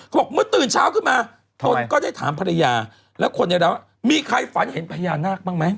ก็บอกเมื่อตื่นเช้าขึ้นมาก็ได้ถามภรรยาแล้วคนเดียวมีใครฝันเห็นภรรยานาคบ้างไหม